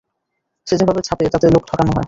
সে যেভাবে ছাপে তাতে লোক ঠকান হয়।